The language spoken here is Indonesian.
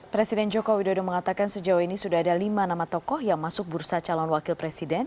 presiden joko widodo mengatakan sejauh ini sudah ada lima nama tokoh yang masuk bursa calon wakil presiden